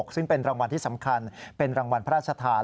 ซึ่งเป็นรางวัลที่สำคัญเป็นรางวัลพระราชทาน